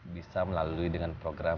bisa melalui dengan program